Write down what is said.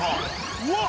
うわっ！